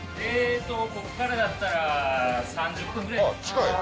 ここからだったら３０分ぐらいですかね。